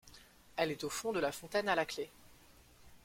Elle est au fond de la fontaine à la clé.